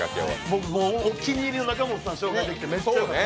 僕お気に入りの中本さん紹介できてよかった。